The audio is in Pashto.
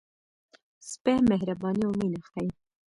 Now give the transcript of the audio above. سپي مهرباني او مینه ښيي.